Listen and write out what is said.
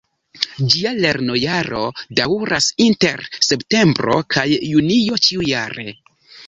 Ĝia lernojaro daŭras inter Septembro kaj Junio ĉiujare.